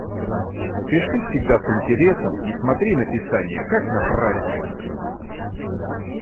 Пиши всегда с интересом и смотри на писание как на праздник.